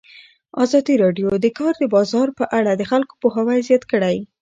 ازادي راډیو د د کار بازار په اړه د خلکو پوهاوی زیات کړی.